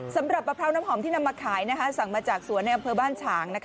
สำหรับมะพร้าวน้ำหอมที่นำมาขายสั่งมาจากสวนในอำเภอบ้านฉาง